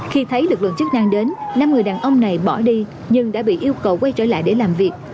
khi thấy lực lượng chức năng đến năm người đàn ông này bỏ đi nhưng đã bị yêu cầu quay trở lại để làm việc